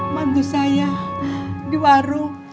mantu saya di warung